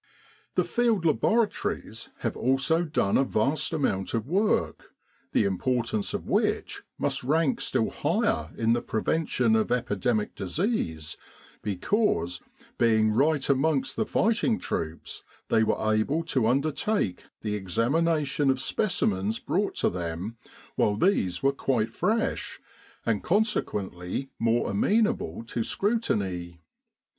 The Field Laboratories have also done a vast amount of work, the importance of which must rank still higher in the prevention of epidemic disease because, being right amongst the fighting troops, they were able to undertake the examination of specimens brought to them while these were quite fresh, and consequently more amenable to scrutiny.